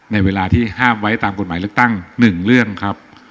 ในเวลาที่ห้ามไว้ตามกฎหมายเลือกตั้ง๑เรื่องครับ